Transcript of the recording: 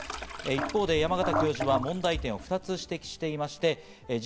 一方で山縣教授は問題点を２つ指摘しています。